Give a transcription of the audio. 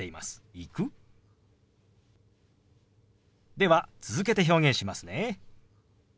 では続けて表現しますね。